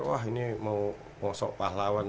saya pikir wah ini mau sok pahlawan